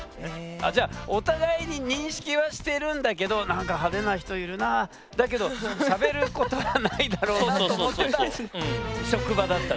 あじゃあお互いに認識はしてるんだけど「なんか派手な人いるなあだけどしゃべることはないだろうな」と思ってた職場だった。